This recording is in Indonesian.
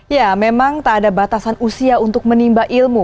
ya memang tak ada batasan usia untuk menimba ilmu